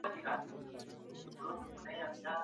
ډيپلوماتيکي هڅي د نړیوال امن د ټینګښت لپاره دي.